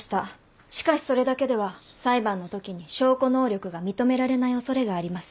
しかしそれだけでは裁判のときに証拠能力が認められない恐れがあります。